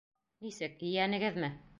— Нисек, ейәнегеҙме?